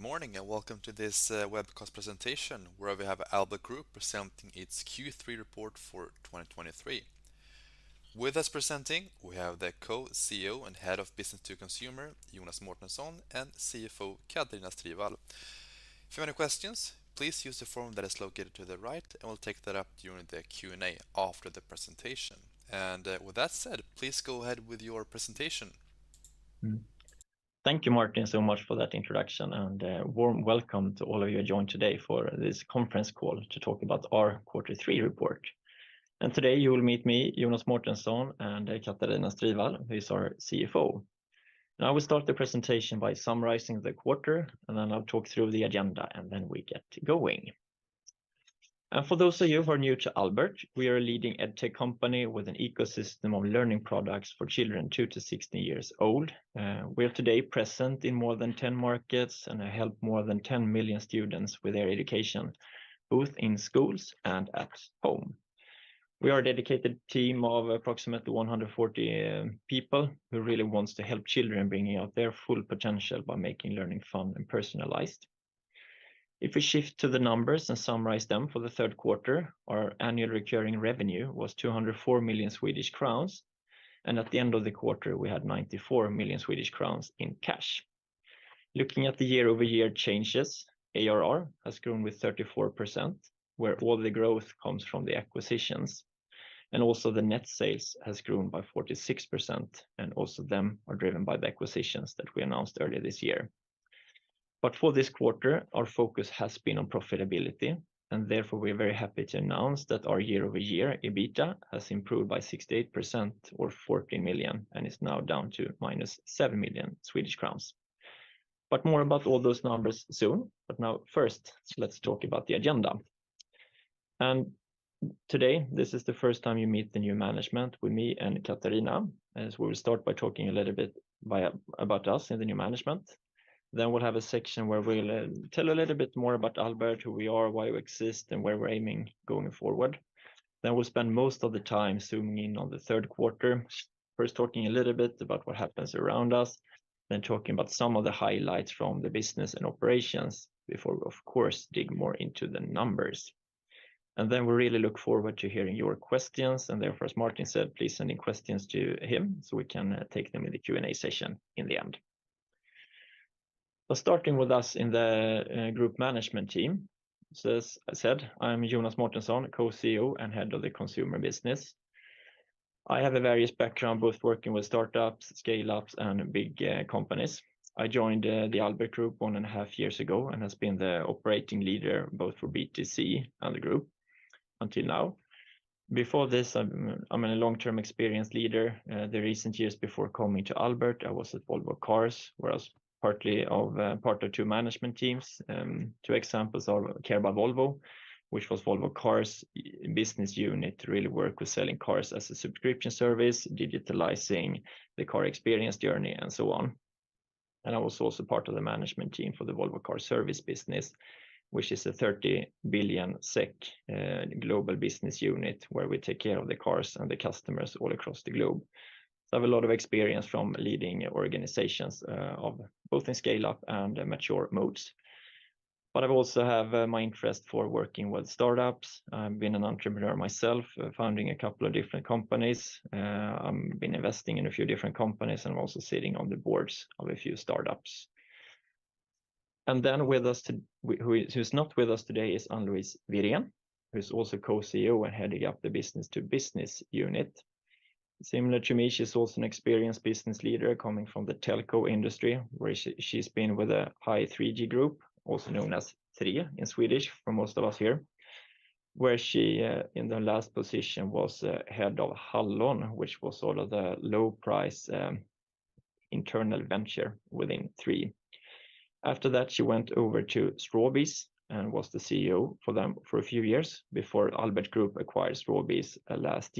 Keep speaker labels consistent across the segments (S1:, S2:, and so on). S1: Good morning, and welcome to this webcast presentation, where we have Albert Group presenting its Q3 report for 2023. With us presenting, we have the Co-CEO and Head of Business to Consumer, Jonas Mårtensson, and CFO, Katarina Strivall. If you have any questions, please use the form that is located to the right, and we'll take that up during the Q&A after the presentation. With that said, please go ahead with your presentation.
S2: Thank you, Martin, so much for that introduction, and a warm welcome to all of you who joined today for this conference call to talk about our quarter three report. Today you will meet me, Jonas Mårtensson, and Katarina Strivall, who is our CFO. Now, I will start the presentation by summarizing the quarter, and then I'll talk through the agenda, and then we get going. For those of you who are new to Albert, we are a leading EdTech company with an ecosystem of learning products for children two to 16 years old. We are today present in more than 10 markets, and help more than 10 million students with their education, both in schools and at home. We are a dedicated team of approximately 140 people who really wants to help children bringing out their full potential by making learning fun and personalized. If we shift to the numbers and summarize them for the third quarter, our annual recurring revenue was 204 million Swedish crowns, and at the end of the quarter, we had 94 million Swedish crowns in cash. Looking at the year-over-year changes, ARR has grown with 34%, where all the growth comes from the acquisitions, and also the net sales has grown by 46%, and also them are driven by the acquisitions that we announced earlier this year. But for this quarter, our focus has been on profitability, and therefore, we're very happy to announce that our year-over-year EBITDA has improved by 68%, or 14 million, and is now down to -7 million Swedish crowns. But more about all those numbers soon, but now first, let's talk about the agenda. Today, this is the first time you meet the new management with me and Katarina, as we will start by talking a little bit about us and the new management. Then we'll have a section where we'll tell a little bit more about Albert, who we are, why we exist, and where we're aiming going forward. Then we'll spend most of the time zooming in on the third quarter. First, talking a little bit about what happens around us, then talking about some of the highlights from the business and operations before we, of course, dig more into the numbers. We really look forward to hearing your questions, and therefore, as Martin said, please send in questions to him so we can take them in the Q&A session in the end. Starting with us in the group management team. As I said, I'm Jonas Mårtensson, co-CEO and head of the consumer business. I have a varied background, both working with startups, scale-ups, and big companies. I joined the Albert Group one and a half years ago, and has been the operating leader, both for B2C and the group until now. Before this, I'm a long-term experienced leader. The recent years before coming to Albert, I was at Volvo Cars, where I was part of two management teams. Two examples are Care by Volvo, which was Volvo Cars' business unit, really worked with selling cars as a subscription service, digitalizing the car experience journey, and so on. I was also part of the management team for the Volvo Car Service business, which is a 30 billion SEK global business unit, where we take care of the cars and the customers all across the globe. I have a lot of experience from leading organizations of both in scale-up and mature modes. But I've also have my interest for working with startups. I've been an entrepreneur myself, founding a couple of different companies. I'm been investing in a few different companies, and I'm also sitting on the boards of a few startups. With us today—who's not with us today is Anne-Louise Wirén, who's also co-CEO and heading up the business-to-business unit. Similar to me, she's also an experienced business leader coming from the telco industry, where she's been with the Hi3G group, also known as Tre in Swedish for most of us here, where she in the last position was head of Hallon, which was sort of the low price internal venture within Tre. After that, she went over to Strawbees and was the CEO for them for a few years before Albert Group acquired Strawbees last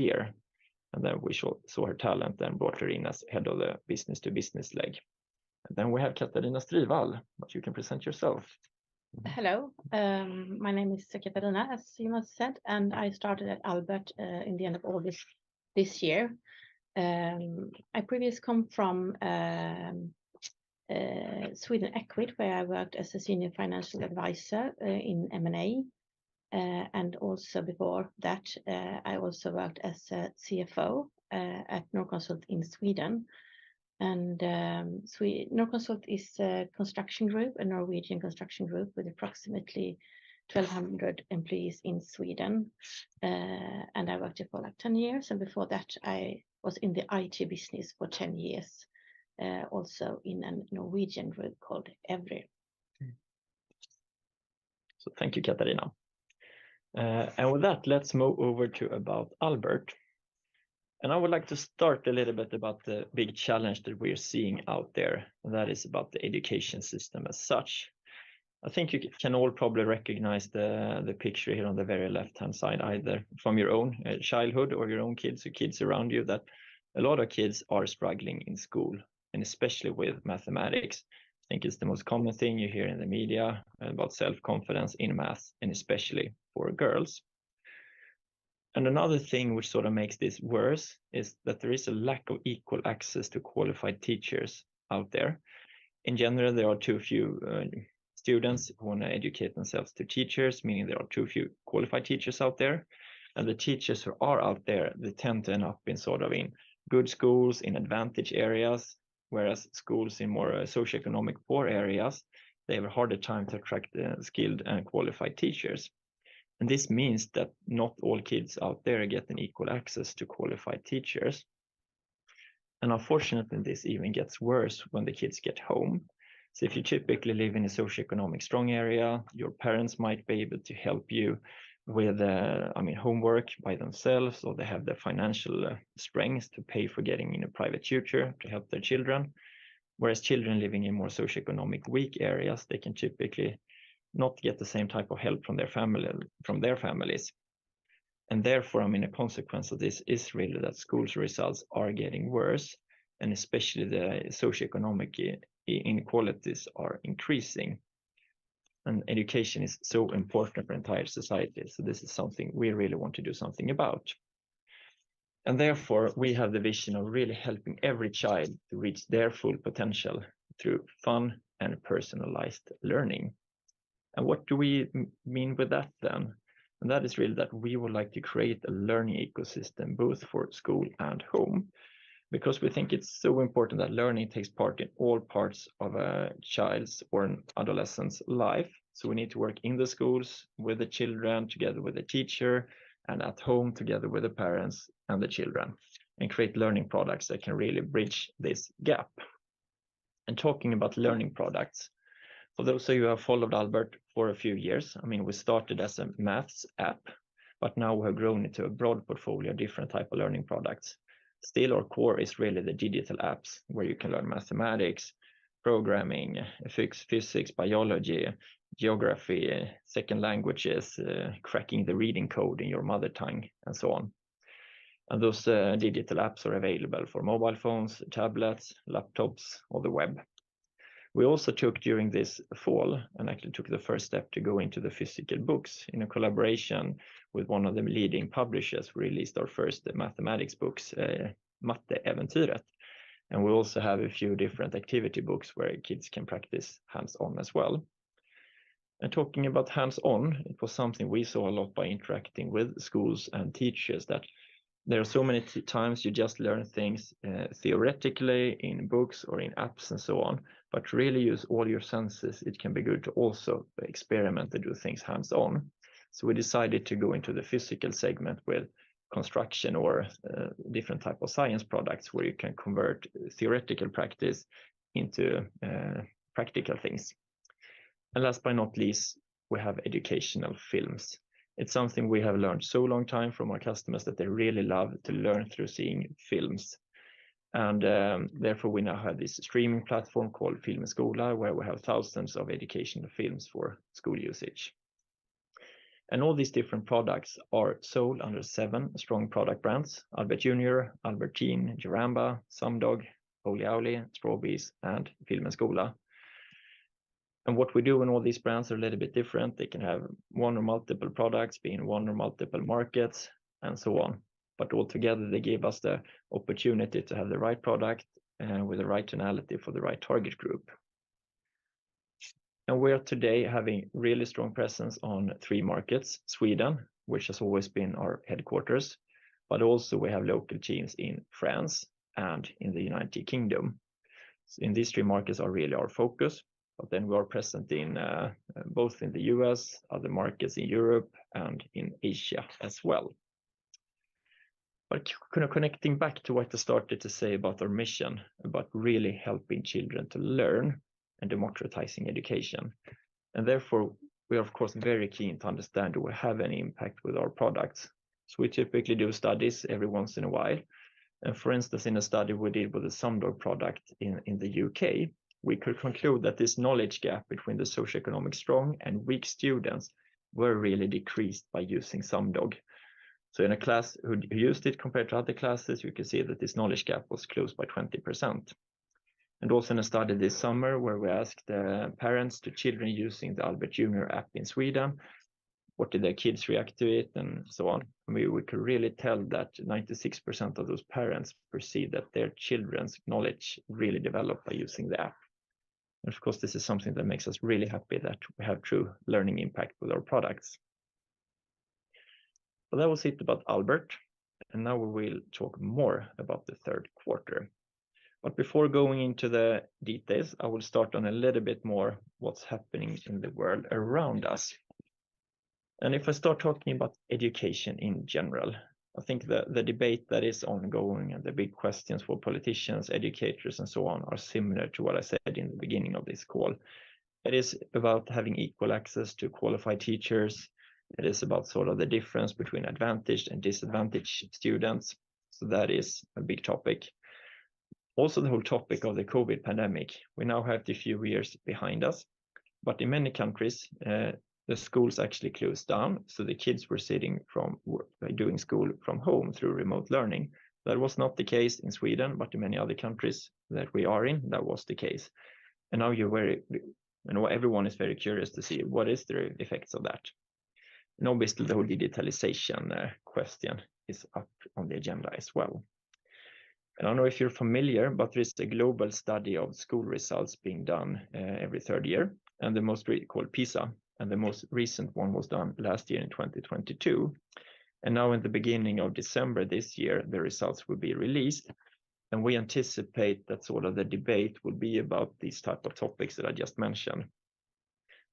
S2: year. And then we saw her talent, then brought her in as head of the business-to-business leg. Then we have Katarina Strivall, but you can present yourself.
S3: Hello, my name is Katarina, as Jonas said, and I started at Albert in the end of August this year. I previous come from Sweden EQUIT, where I worked as a senior financial advisor in M&A. And also before that, I also worked as a CFO at Norconsult in Sweden. Norconsult is a construction group, a Norwegian construction group, with approximately 1,200 employees in Sweden. And I worked there for, like, 10 years, and before that, I was in the IT business for 10 years, also in a Norwegian group called EVRY.
S2: Thank you, Katarina. With that, let's move over to about Albert. I would like to start a little bit about the big challenge that we're seeing out there, and that is about the education system as such. I think you can all probably recognize the picture here on the very left-hand side, either from your own childhood or your own kids or kids around you, that a lot of kids are struggling in school, and especially with mathematics. I think it's the most common thing you hear in the media about self-confidence in math, and especially for girls. Another thing which sort of makes this worse is that there is a lack of equal access to qualified teachers out there. In general, there are too few students who wanna educate themselves to teachers, meaning there are too few qualified teachers out there. The teachers who are out there, they tend to end up in sort of in good schools, in advantage areas, whereas schools in more socioeconomic poor areas, they have a harder time to attract skilled and qualified teachers. This means that not all kids out there get an equal access to qualified teachers. Unfortunately, this even gets worse when the kids get home. So if you typically live in a socioeconomic strong area, your parents might be able to help you with, I mean, homework by themselves, or they have the financial strengths to pay for getting in a private tutor to help their children. Whereas children living in more socioeconomic weak areas, they can typically not get the same type of help from their family, from their families. Therefore, I mean, a consequence of this is really that schools' results are getting worse, and especially the socioeconomic inequalities are increasing. Education is so important for entire society, so this is something we really want to do something about. Therefore, we have the vision of really helping every child to reach their full potential through fun and personalized learning. And what do we mean by that then? That is really that we would like to create a learning ecosystem, both for school and home, because we think it's so important that learning takes part in all parts of a child's or an adolescent's life. We need to work in the schools with the children, together with the teacher, and at home, together with the parents and the children, and create learning products that can really bridge this gap. Talking about learning products, for those of you who have followed Albert for a few years, I mean, we started as a math app, but now we have grown into a broad portfolio of different type of learning products. Still, our core is really the digital apps, where you can learn mathematics, programming, physics, biology, geography, second languages, cracking the reading code in your mother tongue, and so on. Those digital apps are available for mobile phones, tablets, laptops, or the web. We also took during this fall, and actually took the first step to go into the physical books. In a collaboration with one of the leading publishers, we released our first mathematics books, Matteäventyret. And we also have a few different activity books where kids can practice hands-on as well. Talking about hands-on, it was something we saw a lot by interacting with schools and teachers, that there are so many times you just learn things theoretically in books or in apps and so on, but really use all your senses. It can be good to also experiment and do things hands-on. So we decided to go into the physical segment with construction or different type of science products, where you can convert theoretical practice into practical things. And last but not least, we have educational films. It's something we have learned so long time from our customers, that they really love to learn through seeing films. Therefore, we now have this streaming platform called Film & Skola, where we have thousands of educational films for school usage. All these different products are sold under seven strong product brands: Albert Junior, Albert Teen, Jaramba, Sumdog, Holy Owly, Strawbees, and Film & Skola. What we do in all these brands are a little bit different. They can have one or multiple products, be in one or multiple markets, and so on. But all together, they give us the opportunity to have the right product with the right tonality for the right target group. We're today having really strong presence on three markets: Sweden, which has always been our headquarters, but also we have local teams in France and in the United Kingdom. So in these three markets are really our focus, but then we are present in both in the U.S., other markets in Europe, and in Asia as well. But kind of connecting back to what I started to say about our mission, about really helping children to learn and democratizing education, and therefore, we are, of course, very keen to understand, do we have any impact with our products? So we typically do studies every once in a while. And for instance, in a study we did with the Sumdog product in the U.K., we could conclude that this knowledge gap between the socioeconomic strong and weak students were really decreased by using Sumdog. So in a class who used it compared to other classes, you can see that this knowledge gap was closed by 20%. And also in a study this summer, where we asked, parents to children using the Albert Junior app in Sweden, what did their kids react to it, and so on. We could really tell that 96% of those parents perceive that their children's knowledge really developed by using the app. And of course, this is something that makes us really happy, that we have true learning impact with our products. But that was it about Albert, and now we will talk more about the third quarter. But before going into the details, I will start on a little bit more what's happening in the world around us. And if I start talking about education in general, I think the debate that is ongoing and the big questions for politicians, educators, and so on, are similar to what I said in the beginning of this call. It is about having equal access to qualified teachers. It is about sort of the difference between advantaged and disadvantaged students, so that is a big topic. Also, the whole topic of the COVID pandemic, we now have the few years behind us, but in many countries, the schools actually closed down, so the kids were sitting from, doing school from home through remote learning. That was not the case in Sweden, but in many other countries that we are in, that was the case. And now you're very... and well, everyone is very curious to see what is the effects of that?... And obviously, the whole digitalization, question is up on the agenda as well. And I don't know if you're familiar, but there's a global study of school results being done, every third year, and the most recent called PISA, and the most recent one was done last year in 2022. And now in the beginning of December this year, the results will be released, and we anticipate that sort of the debate will be about these type of topics that I just mentioned.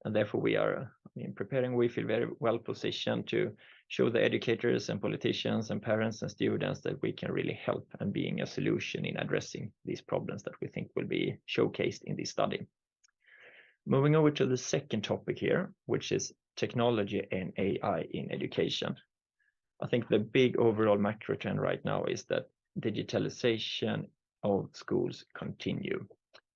S2: And therefore, we are, I mean, preparing. We feel very well positioned to show the educators and politicians and parents and students that we can really help in being a solution in addressing these problems that we think will be showcased in this study. Moving over to the second topic here, which is technology and AI in education. I think the big overall macro trend right now is that digitalization of schools continue.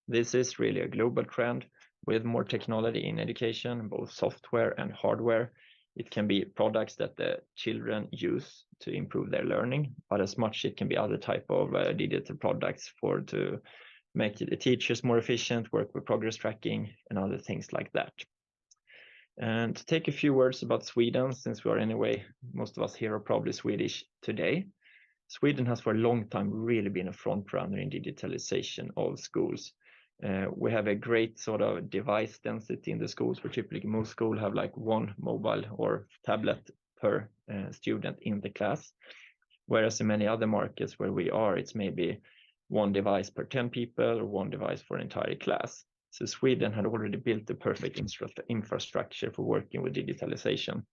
S2: This is really a global trend with more technology in education, both software and hardware. It can be products that the children use to improve their learning, but as much it can be other type of digital products for to make the teachers more efficient, work with progress tracking, and other things like that. And to take a few words about Sweden, since we are anyway, most of us here are probably Swedish today. Sweden has, for a long time, really been a front runner in digitalization of schools. We have a great sort of device density in the schools, where typically most school have, like, one mobile or tablet per student in the class. Whereas in many other markets where we are, it's maybe one device per 10 people or one device for an entire class. So Sweden had already built the perfect infrastructure for working with digitalization.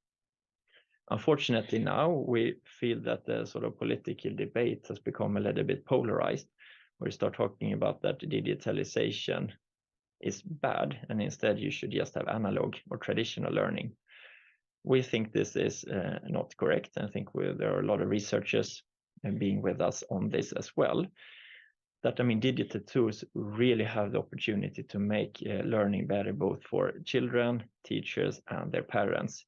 S2: Unfortunately, now we feel that the sort of political debate has become a little bit polarized, where you start talking about that digitalization is bad, and instead, you should just have analog or traditional learning. We think this is not correct, and I think we... there are a lot of researchers being with us on this as well. That, I mean, digital tools really have the opportunity to make learning better both for children, teachers, and their parents.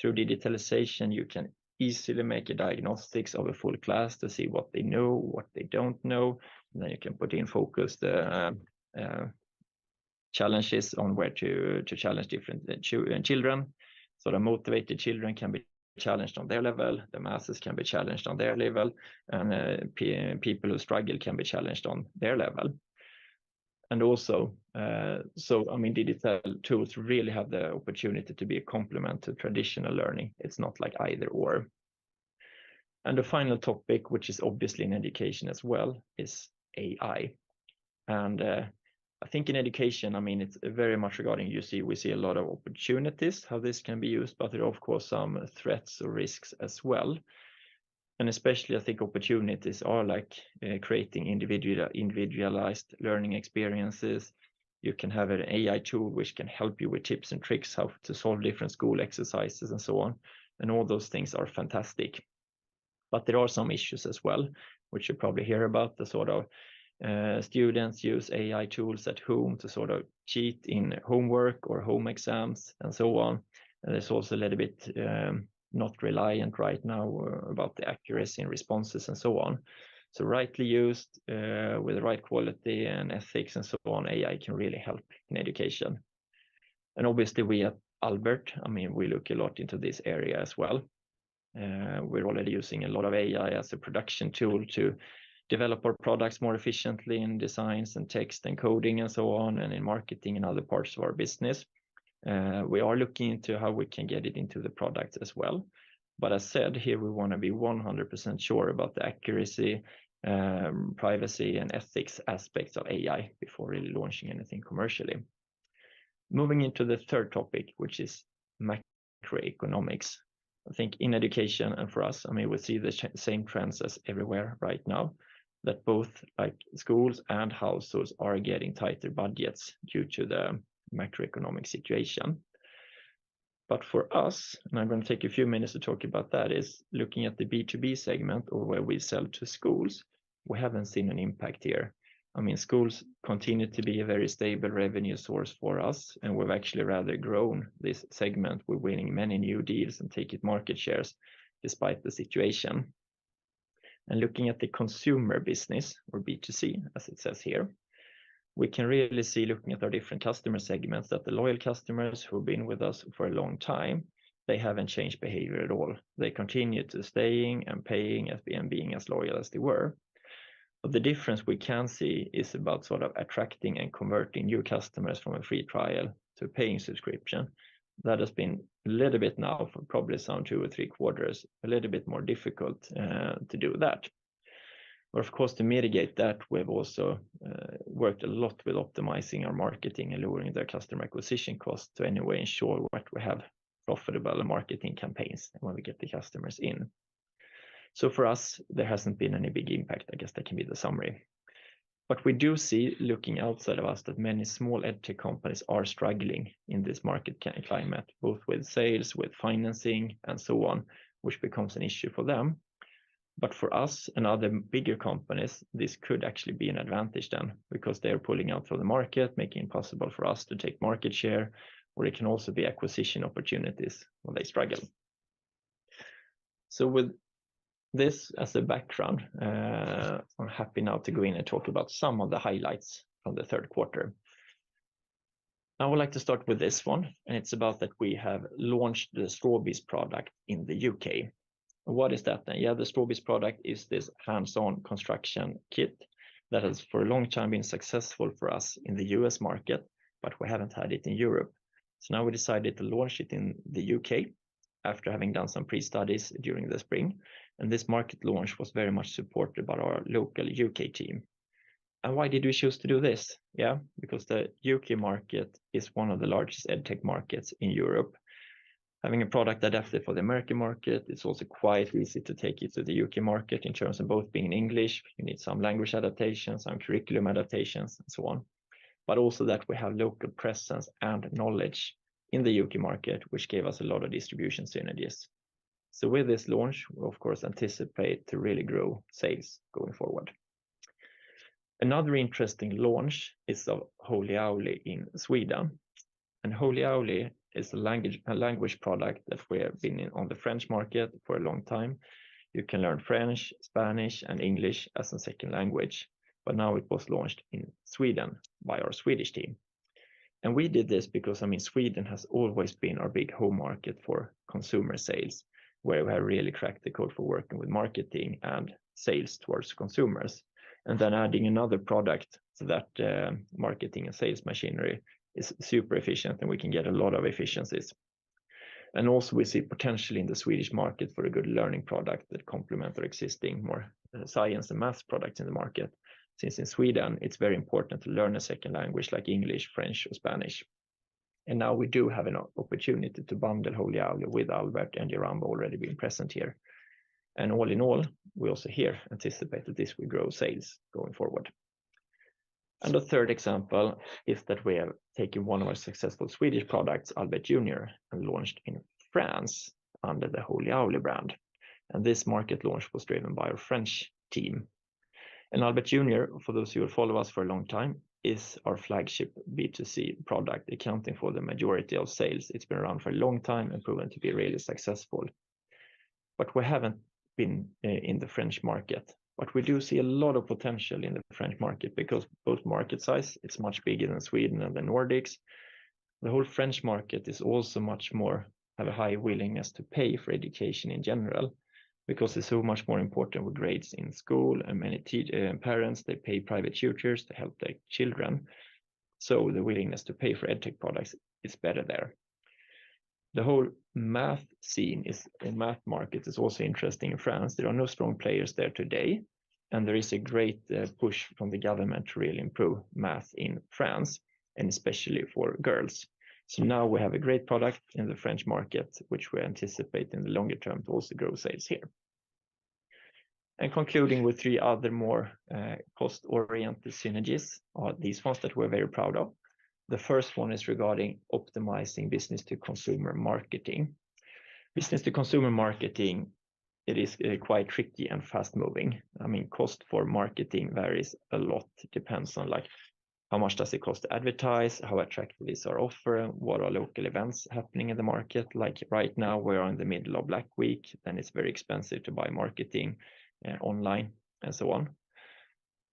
S2: Through digitalization, you can easily make a diagnostics of a full class to see what they know, what they don't know. Then you can put in focus the challenges on where to challenge different children. So the motivated children can be challenged on their level, the masses can be challenged on their level, and people who struggle can be challenged on their level. And also, so I mean, digital tools really have the opportunity to be a complement to traditional learning. It's not like either or. And the final topic, which is obviously in education as well, is AI. And I think in education, I mean, it's very much regarding UC, we see a lot of opportunities, how this can be used, but there are, of course, some threats or risks as well. And especially, I think opportunities are like creating individualized learning experiences. You can have an AI tool which can help you with tips and tricks, how to solve different school exercises and so on, and all those things are fantastic. But there are some issues as well, which you probably hear about the sort of, students use AI tools at home to sort of cheat in homework or home exams and so on. And there's also a little bit, not reliant right now about the accuracy and responses and so on. So rightly used, with the right quality and ethics and so on, AI can really help in education. And obviously, we at Albert, I mean, we look a lot into this area as well. We're already using a lot of AI as a production tool to develop our products more efficiently in designs and text and coding and so on, and in marketing and other parts of our business. We are looking into how we can get it into the product as well. But as said, here, we wanna be 100% sure about the accuracy, privacy, and ethics aspects of AI before really launching anything commercially. Moving into the third topic, which is macroeconomic. I think in education and for us, I mean, we see the same trends as everywhere right now, that both, like, schools and households are getting tighter budgets due to the macroeconomic situation. But for us, and I'm gonna take a few minutes to talk about that, is looking at the B2B segment or where we sell to schools, we haven't seen an impact here. I mean, schools continue to be a very stable revenue source for us, and we've actually rather grown this segment. We're winning many new deals and taking market shares despite the situation. Looking at the consumer business, or B2C, as it says here, we can really see, looking at our different customer segments, that the loyal customers who've been with us for a long time, they haven't changed behavior at all. They continue to staying and paying and being as loyal as they were. But the difference we can see is about sort of attracting and converting new customers from a free trial to a paying subscription. That has been a little bit now for probably some two or three quarters, a little bit more difficult to do that. But of course, to mitigate that, we've also worked a lot with optimizing our marketing and lowering their customer acquisition costs to any way ensure what we have profitable marketing campaigns when we get the customers in. So for us, there hasn't been any big impact. I guess that can be the summary. But we do see, looking outside of us, that many small EdTech companies are struggling in this market climate, both with sales, with financing, and so on, which becomes an issue for them. But for us and other bigger companies, this could actually be an advantage then, because they're pulling out from the market, making it possible for us to take market share, or it can also be acquisition opportunities when they struggle. So with this as a background, I'm happy now to go in and talk about some of the highlights from the third quarter. I would like to start with this one, and it's about that we have launched the Strawbees product in the U.K.. What is that then? Yeah, the Strawbees product is this hands-on construction kit that has, for a long time, been successful for us in the U.S. market, but we haven't had it in Europe. So now we decided to launch it in the U.K. after having done some pre-studies during the spring, and this market launch was very much supported by our local U.K. team. And why did we choose to do this? Yeah, because the U.K. market is one of the largest EdTech markets in Europe. Having a product adapted for the American market, it's also quite easy to take it to the U.K. market in terms of both being in English. You need some language adaptations, some curriculum adaptations, and so on. But also that we have local presence and knowledge in the U.K. market, which gave us a lot of distribution synergies. So with this launch, we of course anticipate to really grow sales going forward. Another interesting launch is of Holy Owly in Sweden, and Holy Owly is a language product that we have been in on the French market for a long time. You can learn French, Spanish, and English as a second language, but now it was launched in Sweden by our Swedish team. And we did this because, I mean, Sweden has always been our big home market for consumer sales, where we have really cracked the code for working with marketing and sales towards consumers. And then adding another product to that marketing and sales machinery is super efficient, and we can get a lot of efficiencies. And also, we see potentially in the Swedish market for a good learning product that complement our existing more science and math products in the market. Since in Sweden, it's very important to learn a second language like English, French, or Spanish. Now we do have an opportunity to bundle Holy Owly with Albert and Jaramba already being present here. All in all, we also here anticipate that this will grow sales going forward. The third example is that we have taken one of our successful Swedish products, Albert Junior, and launched in France under the Holy Owly brand. This market launch was driven by our French team. Albert Junior, for those who have followed us for a long time, is our flagship B2C product, accounting for the majority of sales. It's been around for a long time and proven to be really successful. But we haven't been in the French market. But we do see a lot of potential in the French market because both market size, it's much bigger than Sweden and the Nordics. The whole French market is also much more, have a high willingness to pay for education in general because it's so much more important with grades in school and many parents, they pay private tutors to help their children, so the willingness to pay for EdTech products is better there. The whole math scene in math market, is also interesting in France. There are no strong players there today, and there is a great push from the government to really improve math in France, and especially for girls. So now we have a great product in the French market, which we anticipate in the longer term, to also grow sales here. Concluding with three other more cost-oriented synergies are these ones that we're very proud of. The first one is regarding optimizing business to consumer marketing. Business to consumer marketing, it is quite tricky and fast-moving. I mean, cost for marketing varies a lot. It depends on, like, how much does it cost to advertise, how attractive is our offer, what are local events happening in the market. Like right now, we're in the middle of Black Week, and it's very expensive to buy marketing online and so on.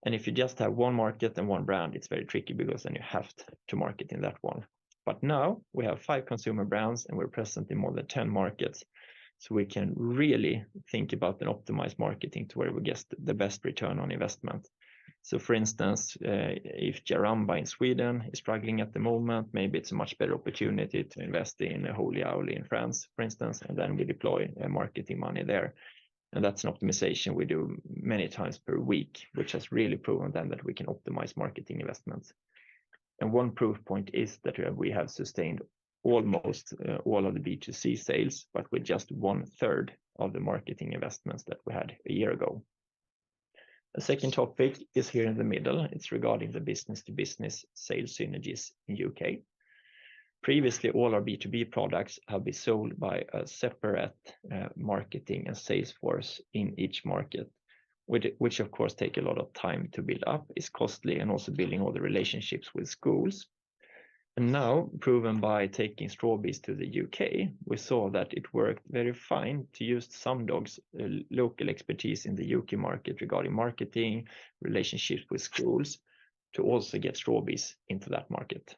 S2: And if you just have one market and one brand, it's very tricky because then you have to market in that one. But now we have five consumer brands, and we're present in more than 10 markets, so we can really think about and optimize marketing to where we get the best return on investment. So for instance, if Jaramba in Sweden is struggling at the moment, maybe it's a much better opportunity to invest in a Holy Owly in France, for instance, and then we deploy marketing money there. And that's an optimization we do many times per week, which has really proven then that we can optimize marketing investments. And one proof point is that we have sustained almost all of the B2C sales, but with just one third of the marketing investments that we had a year ago. The second topic is here in the middle. It's regarding the business to business sales synergies in U.K. Previously, all our B2B products have been sold by a separate marketing and sales force in each market, which of course take a lot of time to build up, is costly, and also building all the relationships with schools. Now, proven by taking Strawbees to the U.K., we saw that it worked very fine to use Sumdog's local expertise in the U.K. market regarding marketing, relationships with schools, to also get Strawbees into that market,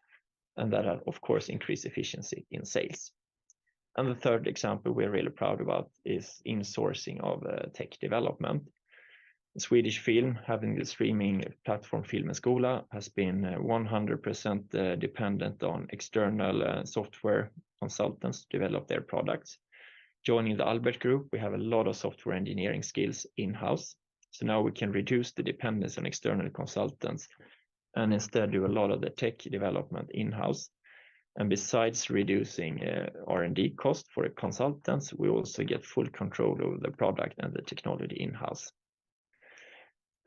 S2: and that had, of course, increased efficiency in sales. The third example we're really proud about is insourcing of tech development. Swedish Film, having the streaming platform Film & Skola, has been 100% dependent on external software consultants to develop their products. Joining the Albert Group, we have a lot of software engineering skills in-house, so now we can reduce the dependence on external consultants and instead do a lot of the tech development in-house. Besides reducing R&D cost for the consultants, we also get full control over the product and the technology in-house.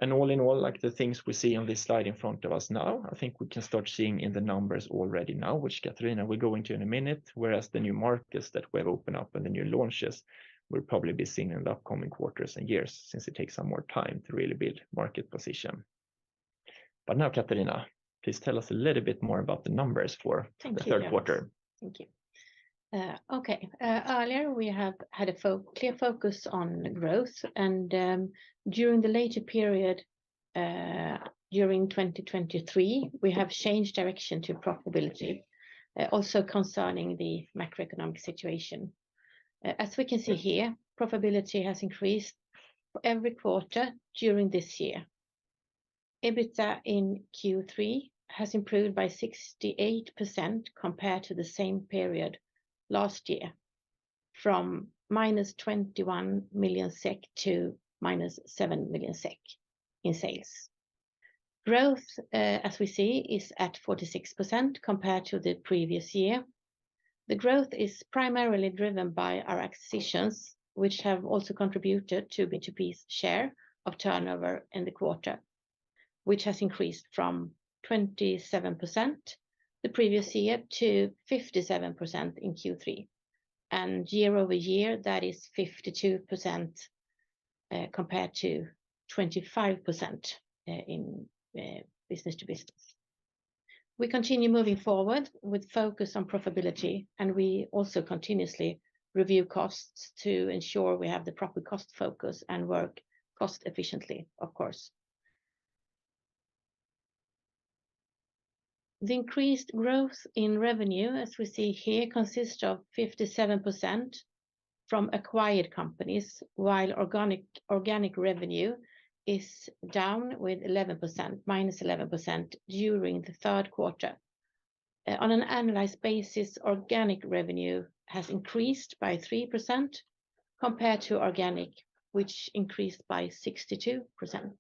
S2: And all in all, like the things we see on this slide in front of us now, I think we can start seeing in the numbers already now, which Katarina will go into in a minute, whereas the new markets that we have opened up and the new launches will probably be seen in the upcoming quarters and years, since it takes some more time to really build market position. But now, Katarina, please tell us a little bit more about the numbers for the third quarter.
S3: Thank you. Okay. Earlier we have had a clear focus on growth, and during the later period, during 2023, we have changed direction to profitability, also concerning the macroeconomic situation. As we can see here, profitability has increased for every quarter during this year. EBITDA in Q3 has improved by 68% compared to the same period last year, from -21 million SEK to -7 million SEK in sales. Growth, as we see, is at 46% compared to the previous year. The growth is primarily driven by our acquisitions, which have also contributed to B2B's share of turnover in the quarter, which has increased from 27% the previous year to 57% in Q3, and year-over-year, that is 52%, compared to 25%, in business to business. We continue moving forward with focus on profitability, and we also continuously review costs to ensure we have the proper cost focus and work cost efficiently, of course. The increased growth in revenue, as we see here, consists of 57% from acquired companies, while organic, organic revenue is down with 11%, -11% during the third quarter. On an annualized basis, organic revenue has increased by 3% compared to organic, which increased by 62%.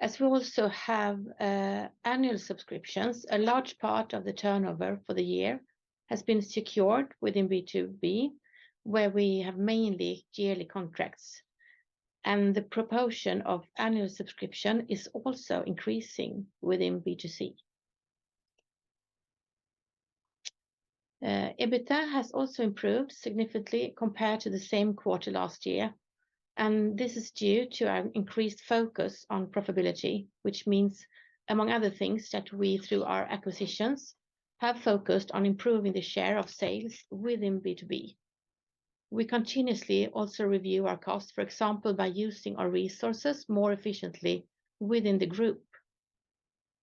S3: As we also have annual subscriptions, a large part of the turnover for the year has been secured within B2B, where we have mainly yearly contracts, and the proportion of annual subscription is also increasing within B2C. EBITDA has also improved significantly compared to the same quarter last year, and this is due to our increased focus on profitability, which means, among other things, that we, through our acquisitions, have focused on improving the share of sales within B2B. We continuously also review our costs, for example, by using our resources more efficiently within the group.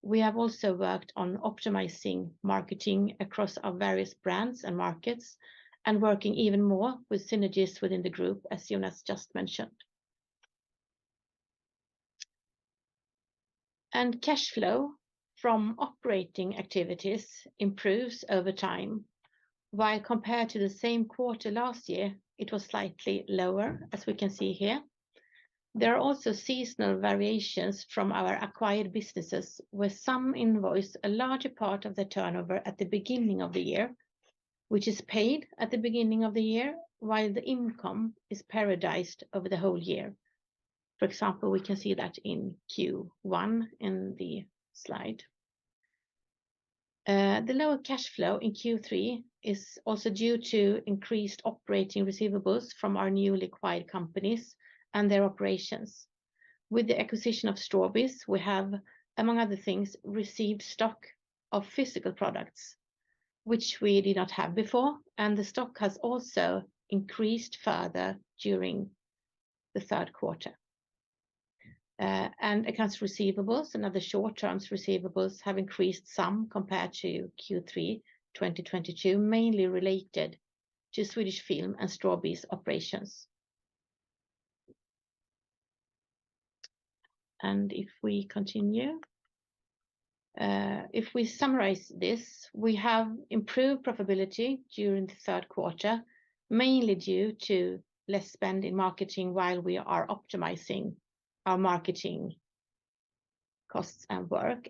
S3: We have also worked on optimizing marketing across our various brands and markets and working even more with synergies within the group, as Jonas just mentioned. Cash flow from operating activities improves over time, while compared to the same quarter last year, it was slightly lower, as we can see here. There are also seasonal variations from our acquired businesses, with some invoices, a larger part of the turnover at the beginning of the year, which is paid at the beginning of the year, while the income is amortized over the whole year. For example, we can see that in Q1, in the slide. The lower cash flow in Q3 is also due to increased operating receivables from our newly acquired companies and their operations. With the acquisition of Strawbees, we have, among other things, received stock of physical products, which we did not have before, and the stock has also increased further during the third quarter. And accounts receivables and other short-term receivables have increased some compared to Q3 2022, mainly related to Swedish Film and Strawbees operations. If we continue, if we summarize this, we have improved profitability during the third quarter, mainly due to less spend in marketing while we are optimizing our marketing costs and work.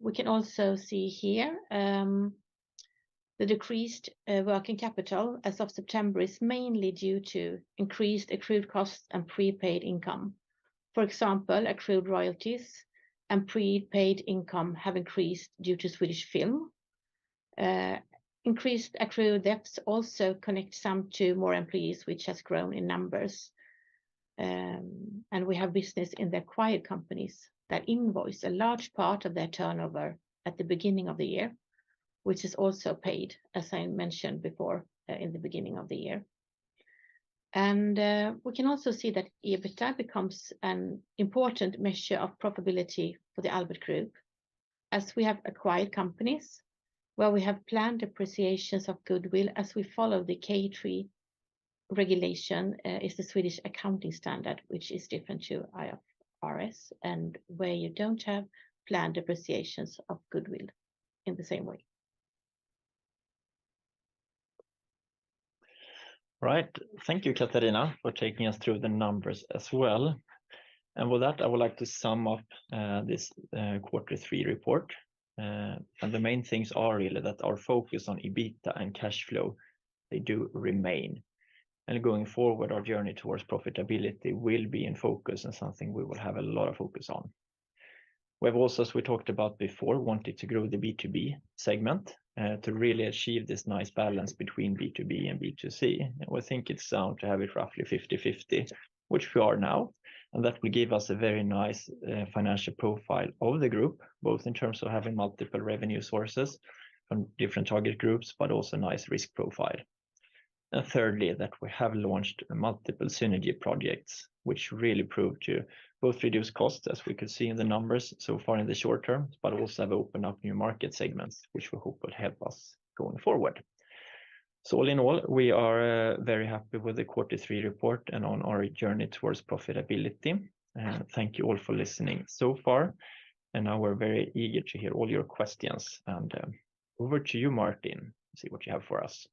S3: We can also see here the decreased working capital as of September is mainly due to increased accrued costs and prepaid income. For example, accrued royalties and prepaid income have increased due to Swedish Film. Increased accrued debts also connect some to more employees, which has grown in numbers. And we have business in the acquired companies that invoice a large part of their turnover at the beginning of the year, which is also paid, as I mentioned before, in the beginning of the year. we can also see that EBITDA becomes an important measure of profitability for the Albert Group, as we have acquired companies where we have planned appreciations of goodwill as we follow the K3 regulation, is the Swedish accounting standard, which is different to IFRS, and where you don't have planned appreciations of goodwill in the same way.
S2: Right. Thank you, Katarina, for taking us through the numbers as well. And with that, I would like to sum up this quarter three report. And the main things are really that our focus on EBITDA and cash flow, they do remain. And going forward, our journey towards profitability will be in focus and something we will have a lot of focus on.... We've also, as we talked about before, wanted to grow the B2B segment to really achieve this nice balance between B2B and B2C. We think it's sound to have it roughly 50/50, which we are now, and that will give us a very nice financial profile of the group, both in terms of having multiple revenue sources and different target groups, but also nice risk profile. And thirdly, that we have launched multiple synergy projects, which really prove to both reduce costs, as we can see in the numbers so far in the short term, but also have opened up new market segments, which we hope will help us going forward. So all in all, we are very happy with the quarter Three report and on our journey towards profitability. And thank you all for listening so far, and now we're very eager to hear all your questions. And, over to you, Martin, see what you have for us.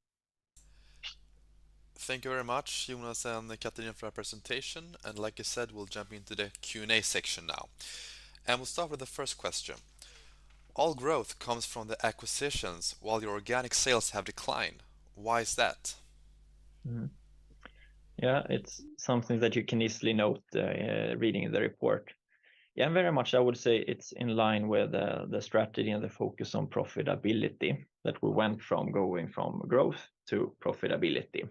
S1: Thank you very much, Jonas and Katarina, for that presentation. Like you said, we'll jump into the Q&A section now. We'll start with the first question. All growth comes from the acquisitions, while your organic sales have declined. Why is that?
S2: Mm-hmm. Yeah, it's something that you can easily note reading the report. Yeah, very much I would say it's in line with the strategy and the focus on profitability, that we went from growth to profitability.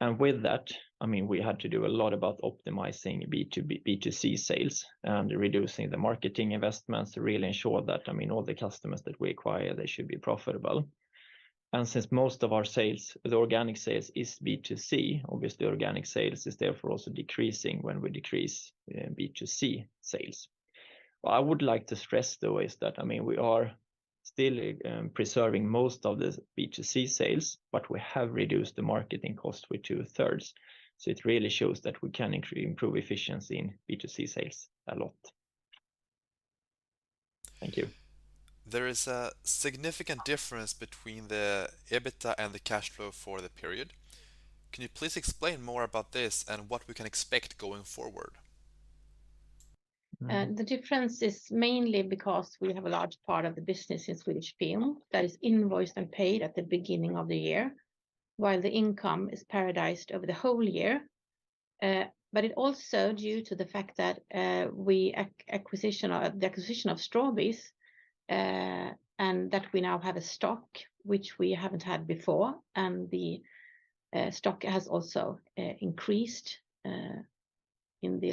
S2: And with that, I mean, we had to do a lot about optimizing B2C sales and reducing the marketing investments to really ensure that, I mean, all the customers that we acquire, they should be profitable. And since most of our sales, the organic sales, is B2C, obviously organic sales is therefore also decreasing when we decrease B2C sales. What I would like to stress, though, is that, I mean, we are still preserving most of the B2C sales, but we have reduced the marketing cost with 2/3. So it really shows that we can improve efficiency in B2C sales a lot. Thank you.
S1: There is a significant difference between the EBITDA and the cash flow for the period. Can you please explain more about this and what we can expect going forward?
S3: The difference is mainly because we have a large part of the business in Swedish Film that is invoiced and paid at the beginning of the year, while the income is periodized over the whole year. But it also due to the fact that acquisition or the acquisition of Strawbees, and that we now have a stock, which we haven't had before, and the stock has also increased in the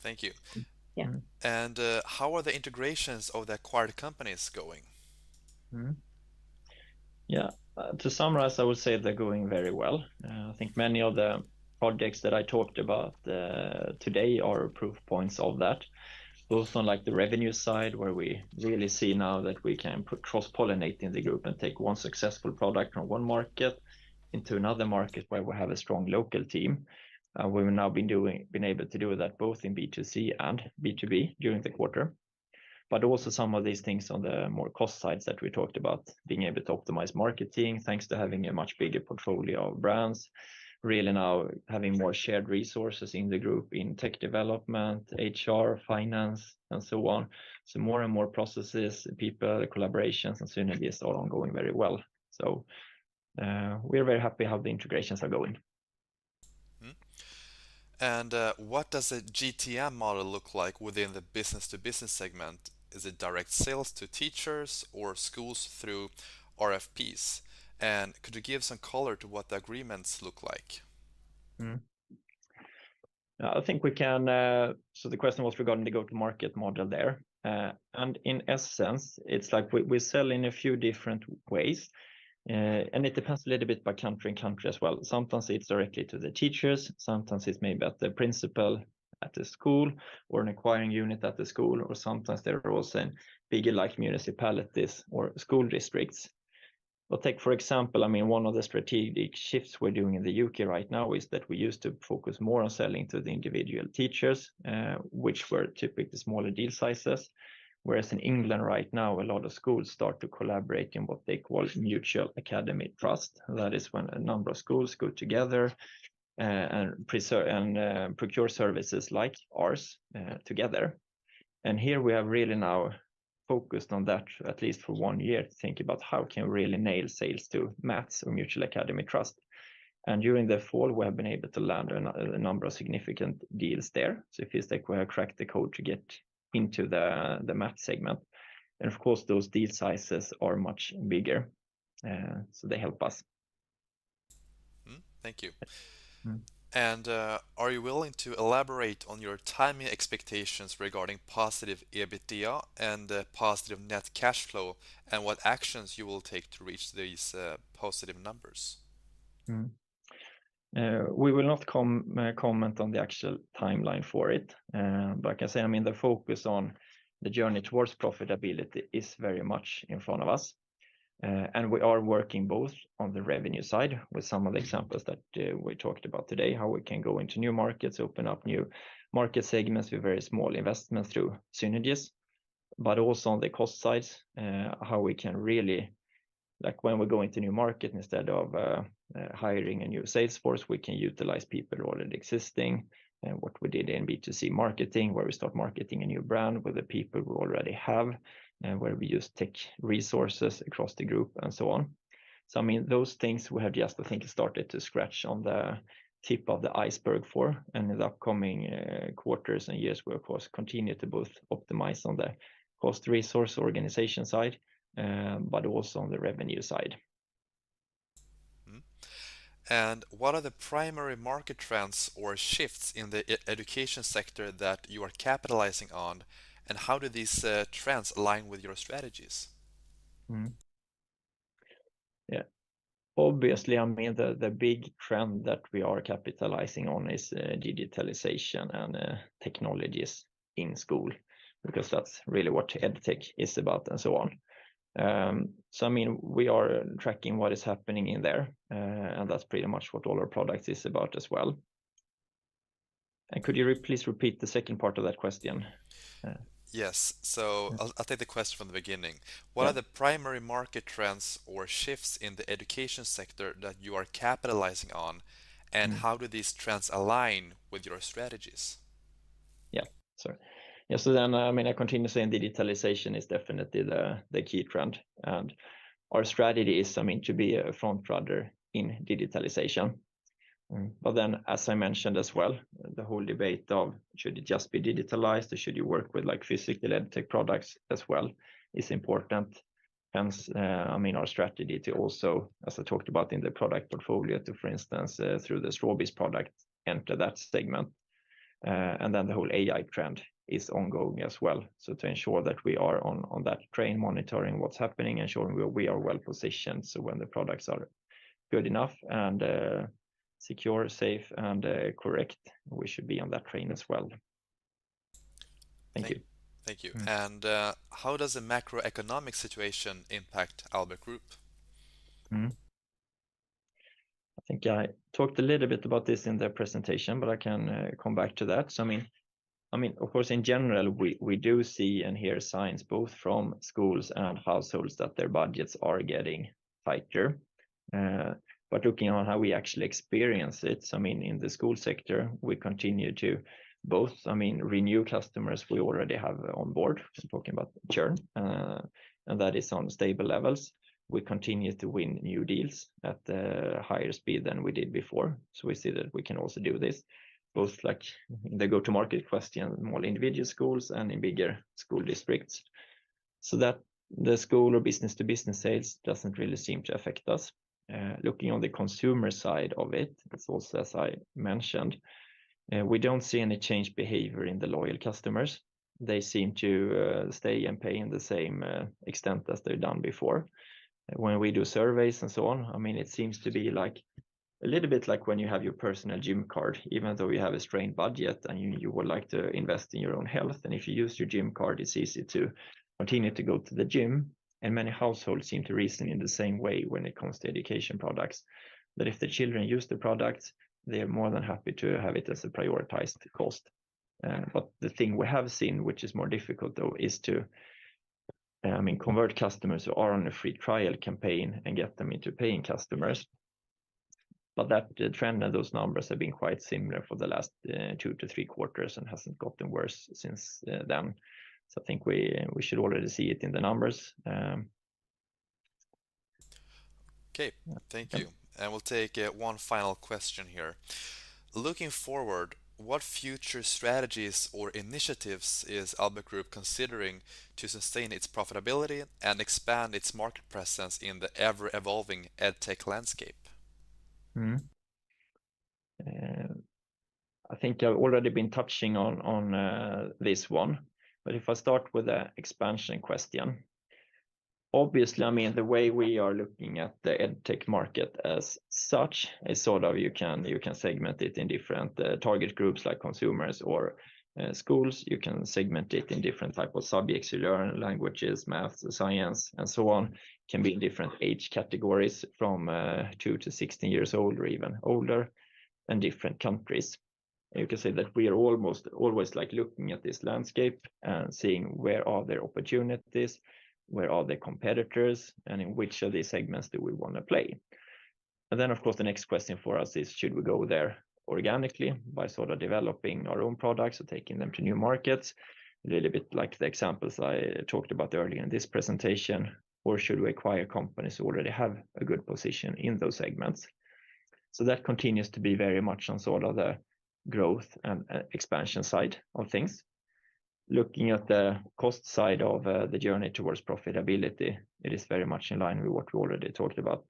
S3: last periods.
S1: Thank you.
S3: Yeah.
S1: How are the integrations of the acquired companies going?
S2: Mm-hmm. Yeah, to summarize, I would say they're going very well. I think many of the projects that I talked about today are proof points of that, both on, like, the revenue side, where we really see now that we can put cross-pollinate in the group and take one successful product from one market into another market where we have a strong local team. We've now been able to do that both in B2C and B2B during the quarter. But also some of these things on the more cost sides that we talked about, being able to optimize marketing, thanks to having a much bigger portfolio of brands, really now having more shared resources in the group in tech development, HR, finance, and so on. So more and more processes, people, the collaborations and synergies are all going very well. So, we're very happy how the integrations are going.
S1: Mm-hmm. And, what does a GTM model look like within the business-to-business segment? Is it direct sales to teachers or schools through RFPs? And could you give some color to what the agreements look like?
S2: Mm-hmm. I think we can. So the question was regarding the go-to-market model there. And in essence, it's like we sell in a few different ways, and it depends a little bit by country and country as well. Sometimes it's directly to the teachers, sometimes it's maybe at the principal, at the school, or an acquiring unit at the school, or sometimes there are also bigger, like municipalities or school districts. But take, for example, I mean, one of the strategic shifts we're doing in the U.K. right now is that we used to focus more on selling to the individual teachers, which were typically the smaller deal sizes. Whereas in England right now, a lot of schools start to collaborate in what they call Multi-Academy Trust. That is when a number of schools go together, and present and procure services like ours, together. And here we have really now focused on that at least for one year, to think about how can we really nail sales to MAT, so Multi-Academy Trust. And during the fall, we have been able to land a number of significant deals there. So it feels like we have cracked the code to get into the MAT segment. And of course, those deal sizes are much bigger, so they help us.
S1: Mm-hmm. Thank you.
S2: Mm.
S1: Are you willing to elaborate on your timing expectations regarding positive EBITDA and the positive net cash flow, and what actions you will take to reach these positive numbers?
S2: Mm-hmm. We will not comment on the actual timeline for it. But I can say, I mean, the focus on the journey towards profitability is very much in front of us. And we are working both on the revenue side with some of the examples that we talked about today, how we can go into new markets, open up new market segments with very small investments through synergies, but also on the cost side, how we can really—like when we go into new market, instead of hiring a new sales force, we can utilize people already existing. And what we did in B2C marketing, where we start marketing a new brand with the people we already have, and where we use tech resources across the group, and so on. I mean, those things we have just, I think, started to scratch on the tip of the iceberg for. In the upcoming quarters and years, we, of course, continue to both optimize on the cost resource organization side, but also on the revenue side.
S1: Mm-hmm. What are the primary market trends or shifts in the e-education sector that you are capitalizing on, and how do these trends align with your strategies?
S2: Mm-hmm. Yeah. Obviously, I mean, the big trend that we are capitalizing on is digitalization and technologies in school, because that's really what EdTech is about, and so on. So I mean, we are tracking what is happening in there, and that's pretty much what all our product is about as well. Could you please repeat the second part of that question?
S1: Yes. So I'll take the question from the beginning.
S2: Yeah.
S1: What are the primary market trends or shifts in the education sector that you are capitalizing on, and how do these trends align with your strategies?
S2: Yeah, sorry. Yeah, so then, I mean, I continue saying digitalization is definitely the key trend, and our strategy is, I mean, to be a front runner in digitalization. But then as I mentioned as well, the whole debate of should it just be digitalized, or should you work with, like, physical EdTech products as well, is important. Hence, I mean, our strategy to also, as I talked about in the product portfolio, to, for instance, through the Strawbees product, enter that segment. And then the whole AI trend is ongoing as well. So to ensure that we are on that train, monitoring what's happening, ensuring we are well-positioned, so when the products are good enough and secure, safe, and correct, we should be on that train as well. Thank you.
S1: Thank you.
S2: Mm.
S1: How does the macroeconomic situation impact Albert Group?
S2: Mm-hmm. I think I talked a little bit about this in the presentation, but I can come back to that. So I mean, I mean, of course, in general, we, we do see and hear signs both from schools and households that their budgets are getting tighter. But looking on how we actually experience it, so I mean, in the school sector, we continue to both, I mean, renew customers we already have on board. Just talking about churn, and that is on stable levels. We continue to win new deals at a higher speed than we did before, so we see that we can also do this, both like the go-to-market question, more individual schools and in bigger school districts, so that the school or business-to-business sales doesn't really seem to affect us. Looking on the consumer side of it, that's also, as I mentioned, we don't see any changed behavior in the loyal customers. They seem to stay and pay in the same extent as they've done before. When we do surveys and so on, I mean, it seems to be like a little bit like when you have your personal gym card, even though you have a strained budget, and you would like to invest in your own health. And if you use your gym card, it's easy to continue to go to the gym, and many households seem to reason in the same way when it comes to education products. That if the children use the product, they're more than happy to have it as a prioritized cost. But the thing we have seen, which is more difficult, though, is to, I mean, convert customers who are on a free trial campaign and get them into paying customers. But that, the trend and those numbers have been quite similar for the last two-three quarters and hasn't gotten worse since, then. So I think we, we should already see it in the numbers.
S1: Okay, thank you.
S2: Mm.
S1: We'll take one final question here. Looking forward, what future strategies or initiatives is Albert Group considering to sustain its profitability and expand its market presence in the ever-evolving EdTech landscape?
S2: Mm-hmm. I think I've already been touching on, on, this one, but if I start with the expansion question, obviously, I mean, the way we are looking at the EdTech market as such is sort of you can, you can segment it in different, target groups, like consumers or, schools. You can segment it in different type of subjects you learn, languages, math, science, and so on. Can be in different age categories, from, two to 16 years old or even older, and different countries. You can say that we are almost always, like, looking at this landscape and seeing where are there opportunities, where are the competitors, and in which of these segments do we wanna play? And then, of course, the next question for us is, should we go there organically by sort of developing our own products or taking them to new markets? A little bit like the examples I talked about earlier in this presentation. Or should we acquire companies who already have a good position in those segments? So that continues to be very much on sort of the growth and expansion side of things. Looking at the cost side of the journey towards profitability, it is very much in line with what we already talked about.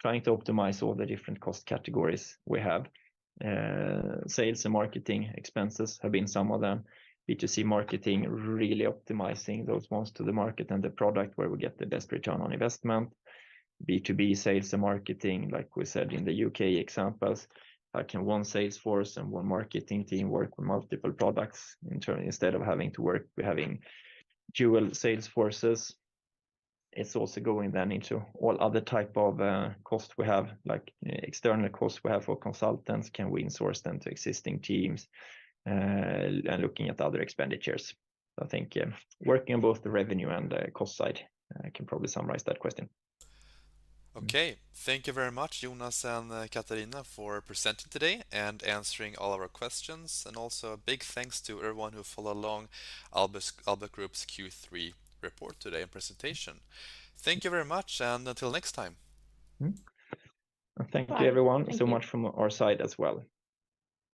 S2: Trying to optimize all the different cost categories we have. Sales and marketing expenses have been some of them. B2C marketing, really optimizing those ones to the market and the product where we get the best return on investment. B2B sales and marketing, like we said in the U.K. examples, can one sales force and one marketing team work with multiple products internally, instead of having to work with having dual sales forces? It's also going then into all other type of cost we have, like external costs we have for consultants. Can we insource them to existing teams? And looking at other expenditures. I think, yeah, working on both the revenue and the cost side, I can probably summarize that question.
S1: Okay. Thank you very much, Jonas and Katarina, for presenting today and answering all of our questions. And also a big thanks to everyone who followed along Albert's, Albert Group's Q3 report today and presentation. Thank you very much, and until next time.
S2: Mm-hmm.
S3: Bye.
S2: Thank you, everyone.
S3: Thank you...
S2: so much from our side as well.